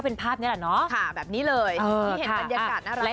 เห็นบรรยากาศน่ารัก